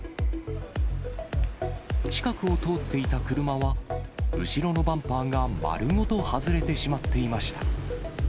近くを通っていた車は、後ろのバンパーが丸ごと外れてしまっていました。